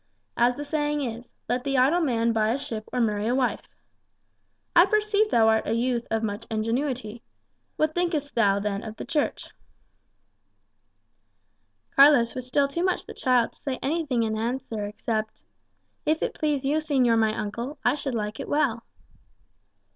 As the saying is, Let the idle man buy a ship or marry a wife. I perceive thou art a youth of much ingenuity. What thinkest thou, then, of the Church?" [#] With good interest. Carlos was still too much the child to say anything in answer except, "If it please you, señor my uncle, I should like it well."